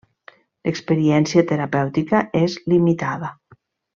L’experiència terapèutica és limitada.